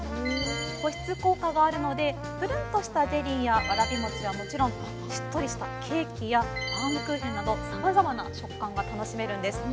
保湿効果があるのでぷるんとしたゼリーやわらび餅はもちろんしっとりしたケーキやバウムクーヘンなどさまざまな食感が楽しめるんです。